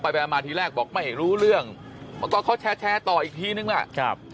ปล่อยไปมาที่แรกบอกไม่รู้เรื่องแล้วก็เขาแชร์แชร์ต่ออีกทีนึงแหละ